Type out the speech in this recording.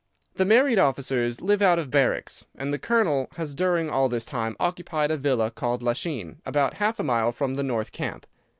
The married officers live out of barracks, and the Colonel has during all this time occupied a villa called Lachine, about half a mile from the north camp.